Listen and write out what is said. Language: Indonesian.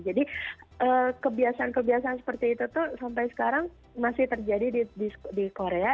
jadi kebiasaan kebiasaan seperti itu tuh sampai sekarang masih terjadi di korea